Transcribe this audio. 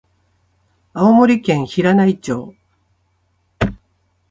青森県平内町